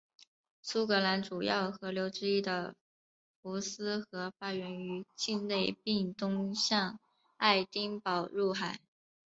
苏格兰主要河流之一的福斯河发源于境内并东向爱丁堡入海。